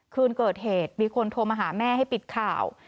คืนเกิดเหตุมีคนโทรมาหาแม่ให้ปิดข่าว